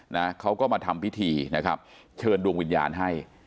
นะเขาก็มาทำพิธีนะครับเชิญดวงวิญญาณให้